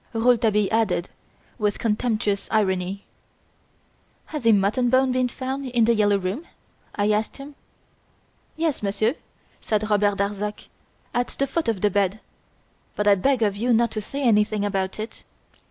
Rouletabille added with contemptuous irony. "Has a mutton bone been found in "The Yellow Room"?" I asked him. "Yes, Monsieur," said Robert Darzac, "at the foot of the bed; but I beg of you not to say anything about it."